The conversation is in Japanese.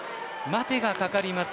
待てがかかります。